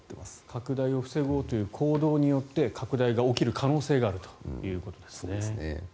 拡大を防ごうという行動によって拡大が起きる可能性があるということですね。